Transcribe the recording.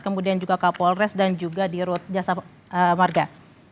kemudian juga kak polres dan juga di rujasa marga